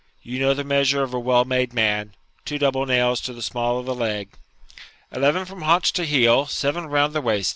You know the measure of a well made man two double nails to the small of the leg ' 'Eleven from haunch to heel, seven round the waist.